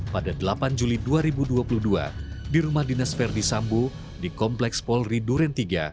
pada delapan juli dua ribu dua puluh dua di rumah dinas verdi sambo di kompleks polri duren tiga